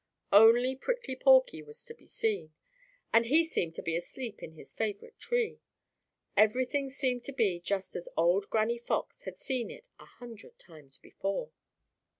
Only Prickly Porky was to be seen, and he seemed to be asleep in his favorite tree. Everything seemed to be just as old Granny Fox had seen it a hundred times before.